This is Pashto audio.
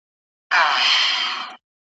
خپل که پردي دي، دلته پلونه وینم ,